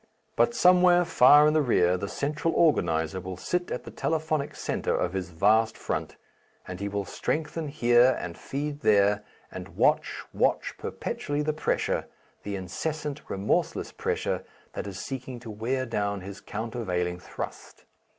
But somewhere far in the rear the central organizer will sit at the telephonic centre of his vast front, and he will strengthen here and feed there and watch, watch perpetually the pressure, the incessant remorseless pressure that is seeking to wear down his countervailing thrust.